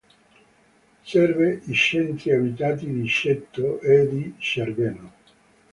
Serve i centri abitati di Ceto e di Cerveno.